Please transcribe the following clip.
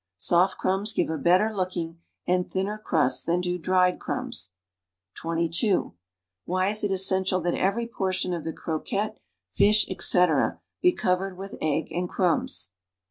Soft crumbs give a better looking and thinner crtist than do dried crumbs. (22) Why is it essential that every portion of the croquette, fish, etc., be cov ered with egg and crumbs.''